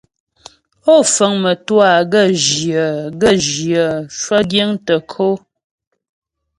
Ó fəŋ mə́twâ gaə́jyə gaə́jyə cwə giŋ tə ko.